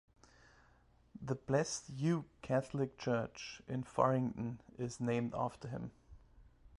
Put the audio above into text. The Blessed Hugh Catholic Church in Faringdon is named after him.